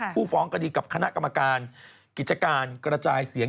ผู้ฟ้องคดีกับคณะกรรมการกิจการกระจายเสียง